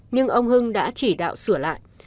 nhưng ông hưng đã chỉ đạo sửa lại